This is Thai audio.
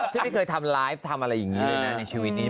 ฉันไม่เคยทำไลฟ์ทำอะไรอย่างนี้เลยนะในชีวิตนี้